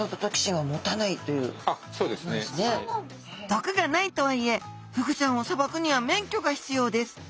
毒がないとはいえフグちゃんをさばくには免許が必要です。